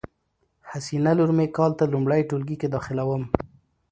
حسینه لور می کال ته لمړی ټولګي کی داخلیدوم